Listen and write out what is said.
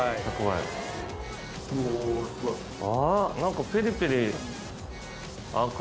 あっ！